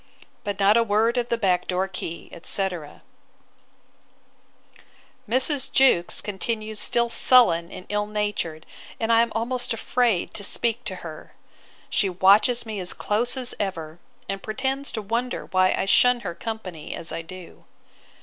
But not a word of the back door key, etc.' Mrs. Jewkes continues still sullen and ill natured, and I am almost afraid to speak to her. She watches me as close as ever, and pretends to wonder why I shun her company as I do.